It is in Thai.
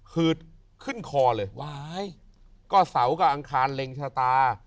หืดขึ้นคอเลยว้ายก็เสากับอังคารเล็งชะตา